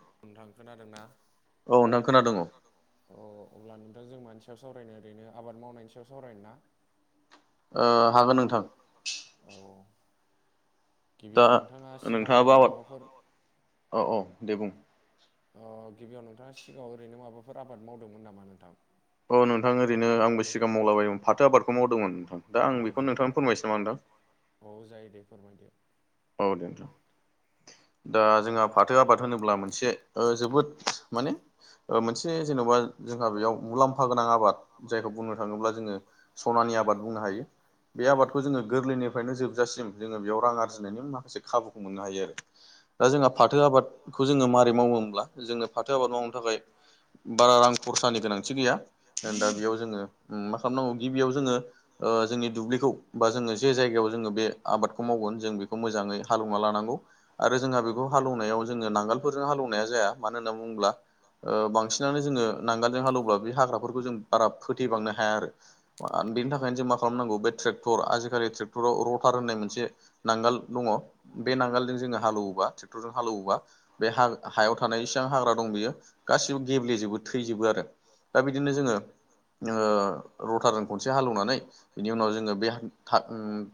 हेल' नोंथां खोनादोंना? औ नोंथां खोनादों अ अब्ला नोंथां जों मानि सायाव सावरायनो ओरैनो आबाद मावनायनि सायाव सावरायनो ना। ओ हागोन नोंथां। औ। गिबियाव नोंथाङा सिगाङाव माबाफोर। अ गिबियाव नोंथाङा सिगाङाव ओरैनो माबाफोर आबाद मावदोंमोन नामा नोंथां? अ नोंथां ओरैनो आंबो सिगां मावलाबायोमोन फाथो आबादखौ मावदोंमोन नोंथां दा आं बेखौ नोंथांनो फोरमायसै ना नोंथां। औ जायो दे फोरमायदो। औ दा जोंहा फाथो आबाद होनोब्ला मोनसे जोबोद माने मोनसे जेन'बा जोंहा बेयाव मुलाम्फा गोनां आबाद जायखौ बुंनो थाङोब्ला जोङो। सनानि आबाद बुंनो हायो। बे आबादखौ जोङो गोरलैनिफ्रायनो जोबजासिम जोङो बेयाव रां आरजिनायनि माखासे खाबुखौ मोननो हायो आरो। दा जोंहा फाथो आबादखौ जोङो माबारै मावोमब्ला जोंनो फाथो आबाद मावनो थाखाय। बारा रां खरसानि गोनांथि गैया दा बेयाव जोङो मा खालामनांगौ गिबियाव जोङो। जोंनि दुब्लिखौ बा जोङो जे जायगायाव जोङो बे आबादखौ मावगोन जों बेखौ मोजाङै हालेवना लानांगौ। खौ हालनाय जोङो नांगालफोरजों हालौनाय जायाब्ला मानो होननानै बुङोब्ला। बांसिनानो जोङो नांगालजों हालेवब्ला बे हाग्राफोरखौ जों बारा फोथेबांनो हाया आरो। बेनि थाखायनो जों मा खालामनांगौ बे ट्रेक्टर आजिखालि ट्रेक्टराव रटार होननाय मोनसे। नांगाल दङ बे नांगोलजों जोङो हालौवोबा ट्रेक्टरजों हालौवोबा बे ह हायाव थानाय इसिबां हाग्रा दं बेयो गासिबो गेब्लेजोबो थैजोबो आरो दा बे बिदिनो जोङो रटार खनसे हालेवनानै बिनि उनाव जोङो बे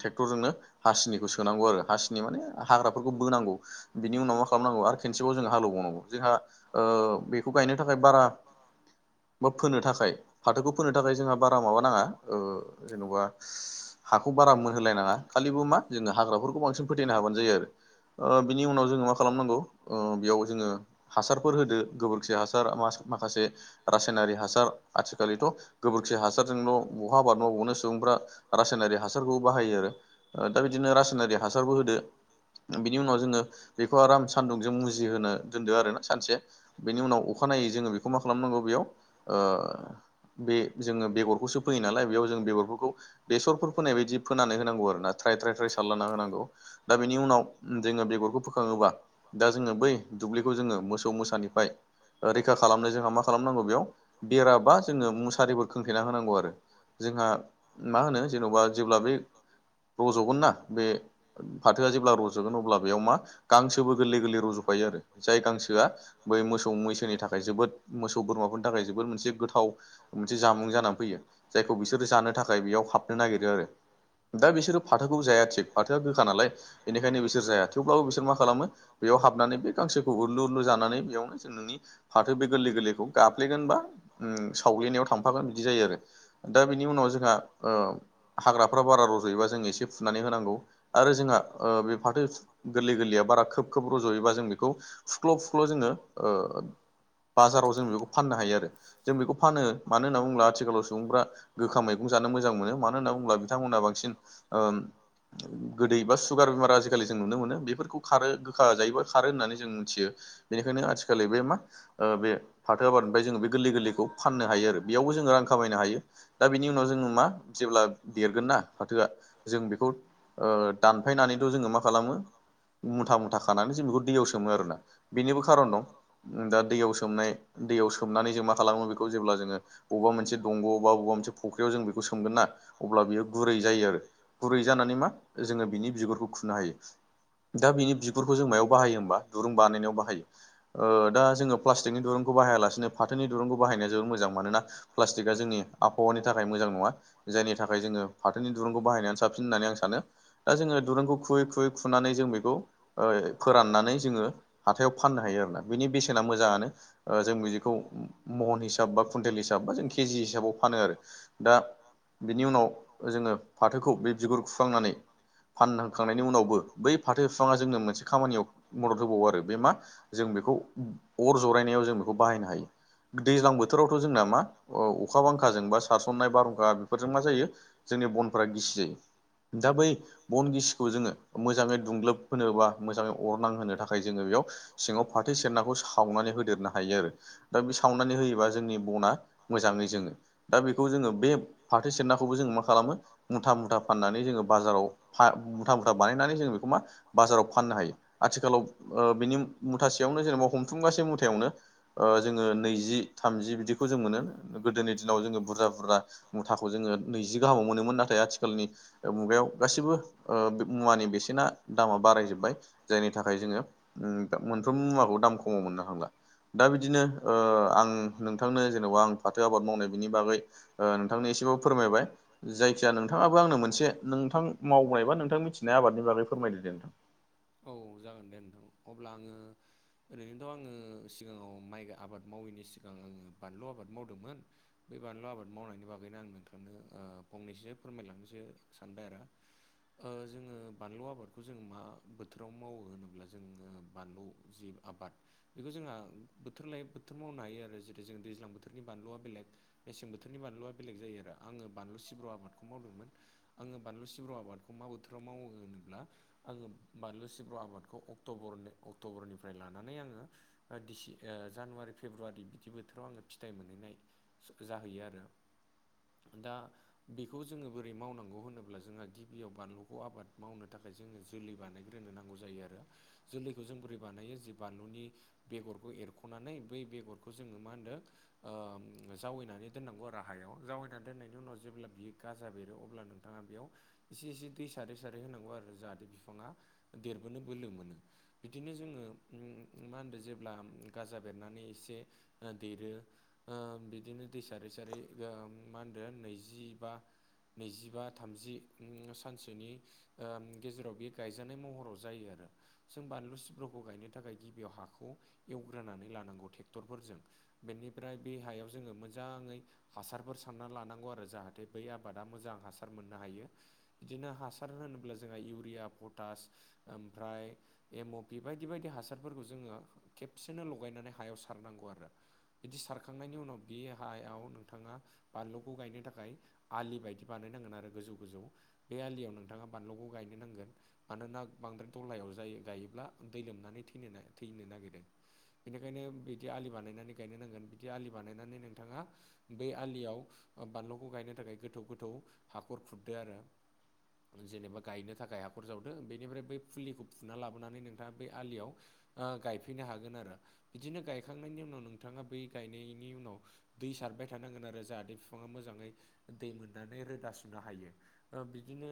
ट्रेक्टरजोंोंनो हासिनिखौ सोनांगौ आरो। हासिनि माने हाग्राफोरखौ बोनांगौ बिनि उनाव मा खालामनांगौ आरो खेननसेबाव जों हालेवबावनांगौ जोंहा। बेखौ गायनो थाखाय बारा बा फोनो थाखाय फाथोखौ फोनो थाखाय बारा माबा नाङा जेन'बा हाखौ बारा मोनहोलायनाङा खालिबो मा जोङो हाग्राफोरखौ बांसिन फोथायनो हाबानो जायो आरो। बिनि उनाव जोङो मा खालामनांगौ बेयाव जोङो हासारफोर होदो गोबोरखि हासार। माखासे रासायनारि हासार आथिखाललिथ' गोबोरखि हासारजोंल' बहा आबाद मावबावनो सुबुंफ्रा रासायनारि हासारखौबो बाहायो आरो। दा बिदिनो रासायनारि हासारबो होदो। बिनि उनाव जोङो बेखौ आराम सानदुंजों मुजिहोनो दोनदो आरो ना सानसे। बेनि उनाव अखानायै जोङो बेखौ मा खालामनांगौ बेयाव बे जोङो बेगरखौसो फोयो नालाय बेयाव जों बेगरफोरखौ बेसरफोर फोनाय बायदि फोनानै होनांगौ आरो ना। थ्राय थ्राय थ्राय सारलाना होनांगौ दा बेनि उनाव। जोङो बेगरखौ फोखाङोबा दा जोङो बै दुब्लिखौ जोङो मोसौ मोसानिफ्राय रैखा खालामनो जोंहा मा खालामनांगौ बेयाव बेराबा जोङो मुसारि खोंथेना होनांगौ आरो जोंहा मा होनो जेन'बा जेब्ला बे रज'गोन ना बे फाथोआ जेब्ला रज'ग रज'गोन अब्ला बेयाव मा गांसोबो गोरलै गोरलै रज'फायो आरो जाय गांसोआ बै मोसौ मैसोनि थाखाय जोबोद। मोसौ बोरमाफोरनि थाखाय जबोर मोनसे गोथाव मोनसे से जामुं जानानै फैयो जायखौ बिसोरो जानो थाखाय बेयाव हाबनो नागिरो आरो। दा बिसोरो फाथोखौ जाया थिग फाथोआ गोखा नालाय बेनिखायनो बिसोर जाया थेवब्लाबो बिसोर मा खालामो बेयाव हाबनानै बे गांसोखौ उरलु उरलु जानानै बेयावनो जों नोंनि फाथो बे गोरलै गोरलैखौ गफ्लेगोन बा सावग्लेनायाव थांफागोन। बिदि जायो आरो दा बिनि उनाव जोंहा हाग्राफ्रा बारा रज'योबा जों एसे फुनानै होनांगौ। आरो जोंहा बे फाथो गोरलै गोरलैया बारा खोब खोब रज'योबा जों बेखौ फुख्ल' फुख्ल' जोङो बाजाराव जों बेखौ फाननो हायो आरो जों बेखौ फानो मानो होनना बुङो। आथिखालाव सुबुंफ्रा गोखा मैगं जानो मोजां मोनो मानो होनना बुङोब्ला बिथांमोनहा बांसिन गोदै बा सुगार बे बेमार आजिखालि जों नुनो मोन बेफोरखौ खारो गोखा जायोबा खारो होननानै जों मिथियो। बेनिखायनो आथिखााल बे मा बे फाथो आबादनिफ्राय जोङो बे गोरलै गोरलैखौ फाननो हायो आरो बेयाव जों दा बिनि उनाव जोङो मा जेब्ला देरगोन ना फाथोआ जों बेखौ दान दानफायनानैथ' जोङो मा खालामो मुथा मुथा खानानै जों बेखौ दैयाव सोमो आरोना बेनिबो खारन दं दा दैयाव सोमनाय दैयाव सोमनानै जों मा खालामो बेखौ जेब्ला जोङो बबेबा दंग' बबा बबेबा मोनसे फुख्रियाव जों बेखौ सोमगोन ना अब्ला बियो गुरै जायो आरो गुरै जानानै मा जोङो बिनि बिगुरखौ खुनो हायो। दा बिनि बिगुरखौ जों मायाव बाहायो होमबा दुरुं बानायनायाव बाहायो दा जोङो प्लास्टिकनि दुरुंखौ बाहायालासिनो फाथोनि दिरुंखौ बाहायनाय जोबद मोजां मानोना प्लास्टिकआ जोंनि आबहावानि थाखाय मोजां नङा। जायनि थाखाय जोङो फाथोनि दुरुंखौ बाहायनानैानो साबसिन होननानै आं सानो दा जोङो दुरुंखौ खुयै खुयै खुनानै जों बेखौ फोराननानै जोङो हाथायाव फाननो हायो आरोोना बिनि बेसेना मोजाङानो जों बिदिखौ महन हिसाब बा कुइन्टेल हिसाब बा जों केजि हिसाबाव फानो आरो दा बिनि उनाव जोङो फाथोखौ बे बिगुर खुखांनानै फानहांखांनायनि उनावबो बै फाथो बिफाङा जोंनो मोनसे खामानियाव मदद होबावो आरो बे मा जों बेखौ अर जरायनायाव जों बे बे खौ बाहायनो हायो। दैज्लां बोथोरावथ' जोंना मा अखा बांखाजों बा सारसननाय बारहुंखा बेफोरजों मा जायो। जोंनि बनफोरा गिसि जायो दा बै बन गिसिखौ जोङो मोजाङै दुंग्लोब होनोबा मोजाङै अरनां होनोनो थाखाय जोङो बेयाव सिङाव फाथै सेरनाखौ सावनानै होदेरनो हायो आरो। दा बे सावनानै होयोबा जोंनि बना मोजाङै जोङो दा बेखौ जोङो बे फाथो सेरनाखौबो जोंङो मा खालामो मुथा मुथा फाननानै जोङो बाजाराव मुथा मुथा बानायनानै जों बेखौ मा बाजाराव फाननो हायो आथिखालाव बिनि मुथासेयावनो जेनेबा हमथुंगाास मुथायावनो जोङो नैजि थामजि बिदिखौ जों मोनो गोदोनि दिनाव जोङो बुरजा बुरजा मुथाखौ जोङो नैजि गाहामाव मोनोमोन नाथाय आथिखालनि मुगायाव गासिबो मुवानि बेसेना दामा बारायजोबबाय जायनि थाखाय जोङो मोनफ्रोम मुवाखौ दाम खमाव मोननो थांला। दा बिदिनो आं नोंथांनो जेन'बा आं फाथो आबाद मावनाय बिनि बागै नोंथांनि एसेबाबो फोरमायबाय जायखिज नोंथाङाबो आंनो मोनसे नोंथां। मावबनायबा नोंथां मिथिनाय आबादनि बागै फोरायदो नोंथां। औ जागोन दे नोंथां अब्ला आङो ओरैनोथ' आङो सिगाङाव माइ आबाद मावैनि सिगां आङो बानलु आबाद मावदोंमोन। बे बानलु आबाद मावनायनि बागैनो आं नोंथांनो फंनैसो फोरमायलांनोसो सानबाय आरो जोङो बानलु आबाद खौ जोंमा बोथोराव मावो होनोब्ला जोङो बानलु जि आबाद बेखौ जोंहा बोथोर लायै बोथोर मावनो हायो आरो जेरै जों दैज्लां बोथोरनि बानलुआ बेलेग मेसें बोथोरनि बानलुआ बेलेग जायो आरो आङो बानलु सिब्रु आबादखौ मावदोंमोन। आङो बानलु सिब्र आबादखौ मा बोथोराव मावो होनोब्ला आङो बानलु सिब्र' आबादखौ अक्टर अक्ट'बरनिफ्राय लानानै आङो दि जानुवारि फेब्रुवारि बिदि बोथोराव आङो फिथाइ मोनहैनाय जाहैयो आरो दा बेखौ जोङो बोरै मावनांगौ होनोब्ला जोंहा गिबियाव बानलुखौ आबाद मावनो थाखाय। जोङो जोलै बानायग्रोनो नांगौ जायो आरो जोलैखौ जों बोरै बानायो जे बानलुनि बेगरखौ एरख'नानै बै बेगरखौ जोङो मा होनदों। जावैनानै दोननांगौ राहायाव जावैनानै दोननायनि उनाव जेब्ला बियो गाजा बेरो अब्ला नों बिथाङा बेयाव एसे एसे दै सारै सारै होनांगौ आरो जाहाथे बिफाङा देरबोनो बोलो मोनो। बिदिनो जोङो मा होनदों जेब्ला गाजा बेरनानै एसे। आ देरो बिदिनो दै सार सारै मा होनदों नैजिबा नैजिबा थामजि सानसेनि। गेजेराव बे गायजानाय महराव जायो आरो जों बानलु सिब्रखौ गायनो थाखाय गिबियाव हाखौ एवग्रोनानै लानांगौ ट्रेक्टरफोरजों। बेनिफ्राय बे हायाव जोङो मोजाङै। हासारफोर सानना लानांगौ आरो जाहाथे बै आबादा मोजां हासार मोननो हायो। बिदिनो हासार होनोब्ला जोंहा इउरिया पटास ओमफ्राय एम अपिि बायदि बायदि हासारफोरखौ जोङो खेबसेनो लगायनानै हायाव सारनांगौ आरो। बिदि सारखांनायनि उनाव बि हायाव नोंथाङा। बानलुखौ गायनो थाखाय आलि बायदि बानायनांगोन आरो गोजौ गोजौ बे आलियाव नोंथाङा बानलुखौ। गायनो नांगोन मानोना बांद्राय दहलायाव जायो गायोब्ला दै लोमनानै थैनो थैनो नागिरो। बेनिखायनो बिदि आलि बानायनानै गायनो नांगोन बिदि आलि बानायनानै नोंथाङा। बै आलियाव बानलुखौ गायनो थाखाय गोथौ गोथौ हाखर खुरदों आरो। जेनेबा गायनो थाखाय हाखर जावदों बेनिफ्राय बै फुलिखौ फुना लाबोनानै नोंथाङा बेै आलियाव। गायफैनो हागोन आरो बिदिनो गायखांनायनि उनाव नोंथाङा बै गायनायनि उनाव। दै सारबाय थानांगोन आरो जाहाथे बिफाङा मोजाङै दै मोननानै रोदा सुनो हायो। बिदिनो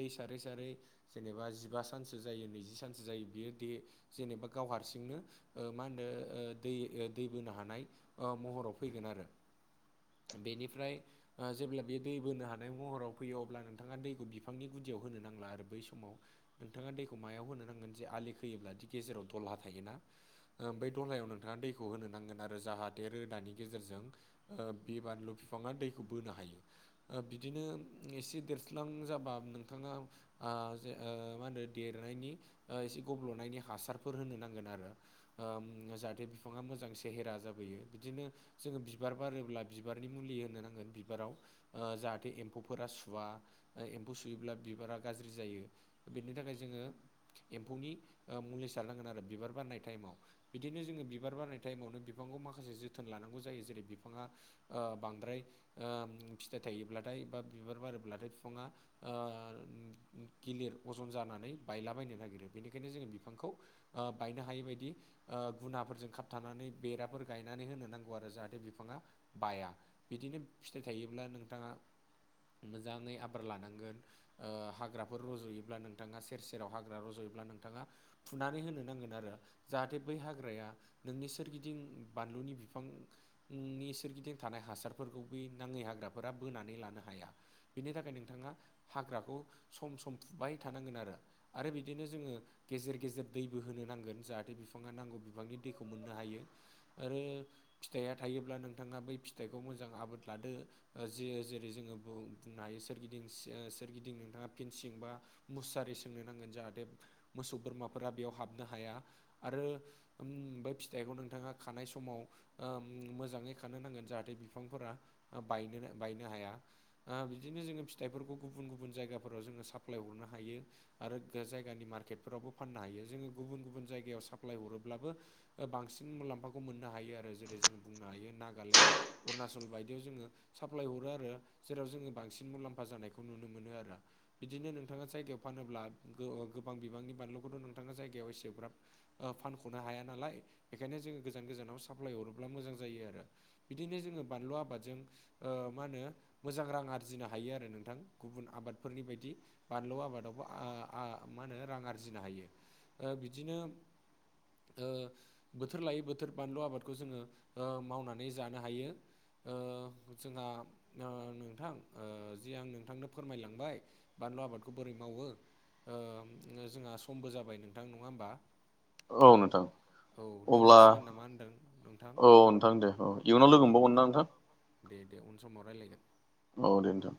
दै सारै सारै। जेनेबा जिबा सानसो जायो नैजि सानसो जायो बियो द जेनेबा गाव हारसिंनो। मा होनो दै दै बोनो हानाय महराव फैगोन आरो। बेनिफ्राय जेब्ला बे दै बोनो हानाय महराव फैयो अब्ला नोंथाङा दैखौ बिफांनि। गुदियाव होनो नांला आरो बै समाव नोंथाङा दैखौ मायाव होनो नांगोन जे आलि खोयोब्लादि गेजेराव दलहा थायोना। बै दलायाव नोंथाङा दैखौ होनो नांगोन आरो जाहाथे रोदानि गेजेरजों। बे बारलु बिफाङा दैखौ बोनो हायो। बिदिनो एसे देरस्लां जाबा नों बिथाङा जे मा होनो देरनायनि एसे गब्ल'नायनि हासारफोर होनो नांगोन आरो। जाहाथे बिफाङा मोजांसे हेरा जाबोयो बिदिनो। जोङो बिबार बारोब्ला बिबारनि मुलि होनो नांगोन बिबाराव। जाहाथे एम्फौफोरा सुवा एम सुयोब्ला बिबारा गाज्रि जायो बेनि थाखाय जोङो। एम्फौनि मुलि सारनांगोन आरो बिबार बारनाय टाइमाव। बिदिनो जोङो बिबार बारनाय टाइमावनो बिफांखौ माखासे जोथोन लानांगौ जायो जेरै बिफाङा। बांद्राय फिथाइ थायोब्लाथाय बा बिबार बारोब्लाथाय बिफाङा। गिलिर अजन जानानै बायलाबायायनो नागिरो बेनिखायनो जोङो बिफांखौ। बायनो हायि बायदि गुनाफोरजों खाबथानानै बेराफोर गायनानै होनो नांगौ आरो जाहाथे बिफाङा बाया। बिदिनो फिथाइ थायोब्ला नोंथाङा मोजाङै आबार लानांगोन। हाग्राफोर रज'योब्ला नोंथाङा सेर सेराव हाग्रा रज'योब्ला नोंथाङा। फुनानै होनो नांगोन आरो जाहाथे बै हाग्राया नोंनि सोरगिदिं बानलुनि बिफां। नि सोरगिदिं थानाय हासारफोरखौ बे नाङै हाग्राफोरा बोनानै लानो हाया। बेनि थाखाय नोंथाङा हाग्राखौ सम सम फुबाय थानांगोन आरो। आरो बिदिनो जोङो गेजेर गेजेर दैबो होनो नांगोन जाहाथे बिफाङा नांगौ बिफांनि दैखौ मोननो हायो। आरो फिथाइया थायोब्ला नोंथाङा बै फिथाइखौ मोजां आबाद लादो। जेरै जोङो बुंनो हायो सोरगिदिं सोरगिदिं नोंथाङा फेनसिं बा मुसारि सोंनो नांगोन जाहाथे मोसौ बोरमाफोरा बेयाव हाबनो हाया आरो। फिथाइखौ नोंथाङा खानाय समाव मोजाङै खानो नांगोन जाहाथे बिफांफोरा बायनो बायनो हाया। बिदिनो जोङो फिथाइफोरखौ गुबुन गुबुन जायगाफोराव जोङो साप्लाय हरनो हायो। आरो जायगानि मार्केटफोरावबो फाननो हायो जोङो गुबुन गुबुन जायगायाव साप्लााय हरोब्लाबो। बांसिन मुलाम्फाखौ मोननो हायो आरो जेरै जोङो बुंनो हायो नागालेण्ड अरुणाचल बायदियाव जोङो साप्लाय हरो आरो जेराव जोङो बांसिन मुलाम्फा जानायखौ नुनो मोनो आरो बिदिनो नोंथाङा जायगायाव फानोब्ला गोबां बिबांनि बानलुखौथ' नोंथाङा जायगायाव एसे गोब्राब फानख'नो हाया नालाय बेखायनो जोङो गोजान गोजानाव साप्लाय हरोब्ला मोजां जायो आरो बिदिनो जोङो बानलु आबादजों मा होनो मोजां रां आरजिनो हायो आरो नोंथां। गुबुन आबादफोरनि बायदि बानलु आबादावबो मा होनो रां आरजिनो हायो। दा बिदिनो बोथोर लायै बोथोर बानलु आबादखौ जोङो मावनानै जानो हायो। जोंहा नोंथां जि आं नोंथांनो फोरमायलांबाय बानलु आबादखौ बोरै मावो। जोंहा समबो जाबाय नोंथां नङा होमबा? औ औ दोनजासिगोन नामा होनदों नोंथां औ दे दे उन समाव रायलायगोन। औ नोंथां।